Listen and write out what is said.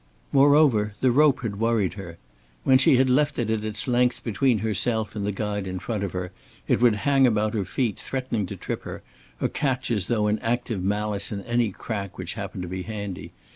Moreover, the rope had worried her. When she had left it at its length between herself and the guide in front of her, it would hang about her feet, threatening to trip her, or catch as though in active malice in any crack which happened to be handy.